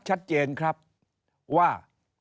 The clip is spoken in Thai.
ชัดเจนครับว่า